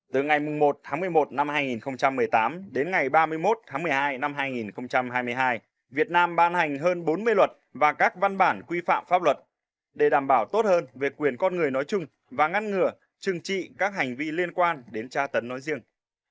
từ ngày một tháng một mươi một năm hai nghìn một mươi tám đến ngày ba mươi một tháng một mươi hai năm hai nghìn hai mươi hai việt nam ban hành hơn bốn mươi luật và các văn bản quy phạm pháp luật để đảm bảo tốt hơn về quyền con người nói chung và ngăn ngừa trừng trị các hành vi liên quan đến tra tấn nói riêng